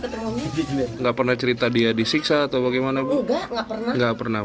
ketemu nggak pernah cerita dia disiksa atau bagaimana nggak pernah nggak pernah nggak pernah